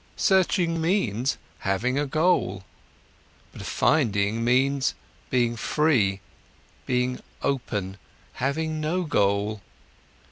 Searching means: having a goal. But finding means: being free, being open, having no goal.